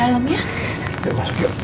mama ada mama disini ya